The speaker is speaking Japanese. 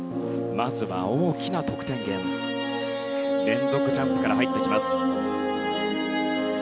まずは大きな得点源連続ジャンプから入ってきます。